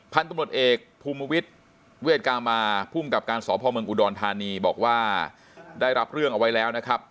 พันธุ์ตำรวจเอกภูมิวิทย์เวทกามาภูมิกับการสพเมืองอุดรธานีบอกว่าได้รับเรื่องเอาไว้แล้วนะครับ